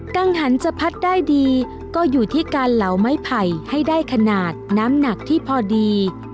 ังหันจะพัดได้ดีก็อยู่ที่การเหลาไม้ไผ่ให้ได้ขนาดน้ำหนักที่พอดี